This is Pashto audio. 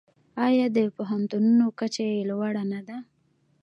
آیا د پوهنتونونو کچه یې لوړه نه ده؟